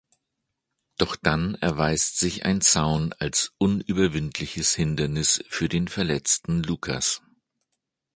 Doch dann erweist sich ein Zaun als unüberwindliches Hindernis für den verletzten Lucas.